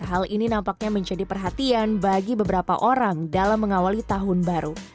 hal ini nampaknya menjadi perhatian bagi beberapa orang dalam mengawali tahun baru